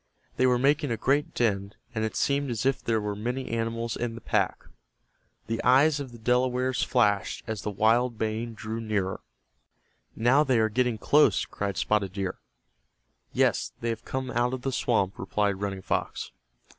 They were making a great din, and it seemed as if there were many animals in the pack. The eyes of the Delawares flashed as the wild baying drew nearer. "Now they are getting close," cried Spotted Deer. "Yes, they have come out of the swamp," replied Running Fox.